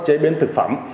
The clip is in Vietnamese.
chế biến thực phẩm